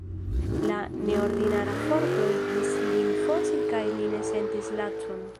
La neordinara forto igis lin fosi kaj li ne sentis lacon.